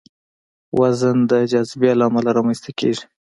وزن د جاذبې له امله رامنځته کېږي.